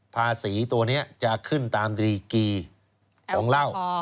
ภาษีตัวนี้จะขึ้นตามดรีกีของเหล้า